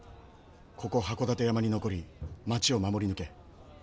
ここ箱館山に残り町を守り抜け。